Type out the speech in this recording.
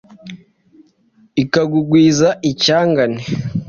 Ikagukwiza icyagane